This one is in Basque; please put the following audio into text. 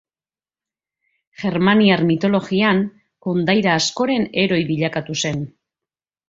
Germaniar mitologian, kondaira askoren heroi bilakatu zen.